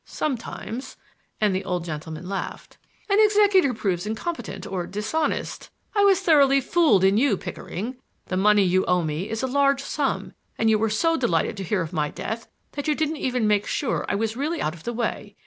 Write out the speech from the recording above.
Sometimes," and the old gentleman laughed, "an executor proves incompetent or dishonest. I was thoroughly fooled in you, Pickering. The money you owe me is a large sum; and you were so delighted to hear of my death that you didn't even make sure I was really out of the way.